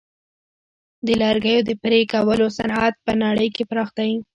د لرګیو د پرې کولو صنعت په نړۍ کې پراخ دی.